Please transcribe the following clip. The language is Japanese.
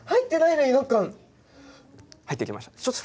入ってきました。